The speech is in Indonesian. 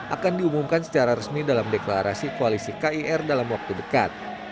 akan diumumkan secara resmi dalam deklarasi koalisi kir dalam waktu dekat